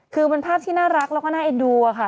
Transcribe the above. คือเป็นภาพที่น่ารักแล้วก็น่าเอ็นดูอะค่ะ